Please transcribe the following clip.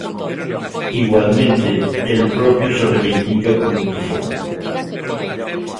Igualmente, el propio se reivindica como bufón.